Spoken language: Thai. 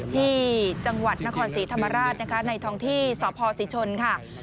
ที่จังหวัดนครศรีธรรมราชนะคะในท้องที่สพศรีชนค่ะ